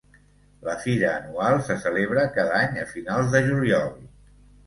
La fira anual se celebra cada any a finals de juliol.